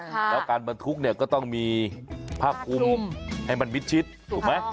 แล้วการบรรทุกเนี่ยก็ต้องมีผ้าคุมให้มันมิดชิดถูกไหม